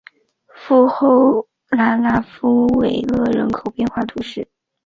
富后拉讷夫维勒人口变化图示